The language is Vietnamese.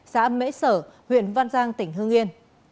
xã mễ sở huyện văn giang tỉnh hương yên